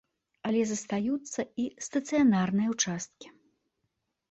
Але застаюцца і стацыянарныя ўчасткі.